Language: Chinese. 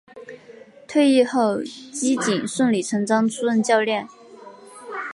退役后基瑾顺理成章出任教练。